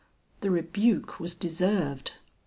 The rebuke was deserved.